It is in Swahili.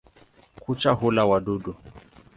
Kucha hula wadudu.